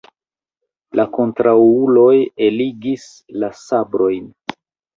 La kontraŭuloj eligis la sabrojn.